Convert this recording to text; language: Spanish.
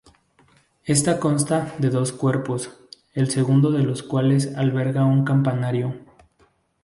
Esta consta de dos cuerpos, el segundo de los cuales alberga un campanario.